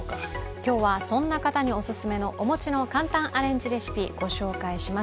今日はそんな方にお勧めのお餅の簡単アレンジレシピ、ご紹介します。